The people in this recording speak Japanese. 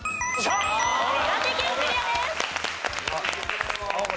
岩手県クリアです。